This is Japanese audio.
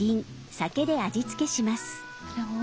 酒で味つけします。